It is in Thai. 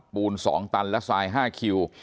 ปูน๒ตันและทราย๕คิว